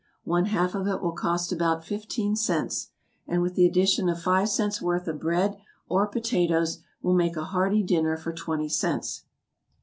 One half of it will cost about fifteen cents; and with the addition of five cents' worth of bread or potatoes, will make a hearty dinner for twenty cents.